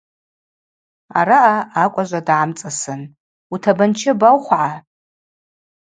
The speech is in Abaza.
Араъа акӏважва дгӏамцӏасын – Утабанчы абаухвгӏа?